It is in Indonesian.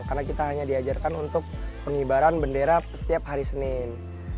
karena kita hanya diajarkan untuk pengibaran bendera setiap hari senin